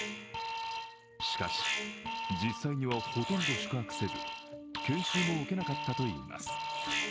しかし、実際にはほとんど宿泊せず、研修も受けなかったといいます。